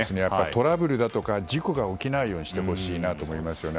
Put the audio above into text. トラブルだとか事故が起きないようにしてほしいなと思いますね。